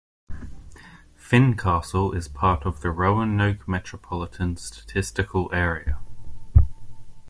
Fincastle is part of the Roanoke Metropolitan Statistical Area.